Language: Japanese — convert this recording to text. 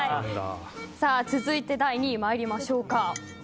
続いて、第２位に参りましょう。